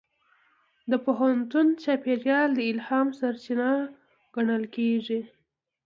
د پوهنتون چاپېریال د الهام سرچینه ګڼل کېږي.